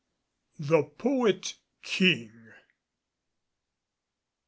THE POET KING.